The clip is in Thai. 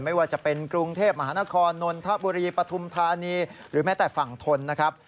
ไม่ว่าจะเป็นกรุงเทพมหานครนนทบุรีปฐุมธานีหรือแม้แต่ฝั่งทนนะครับ